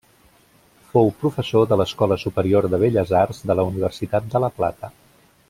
Fou professor de l'Escola Superior de Belles Arts de la Universitat de La Plata.